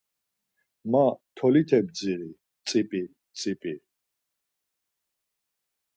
Ma tolite bdziri tzip̌i, tzip̌i!